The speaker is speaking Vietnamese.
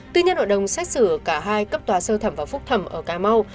tư nhân nội đồng xét xử cả hai cấp tòa sơ thẩm và phúc thẩm ở cà mau